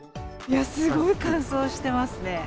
すごい乾燥してますね。